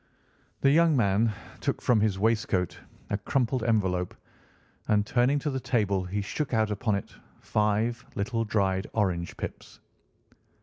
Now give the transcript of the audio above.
The young man took from his waistcoat a crumpled envelope, and turning to the table he shook out upon it five little dried orange pips.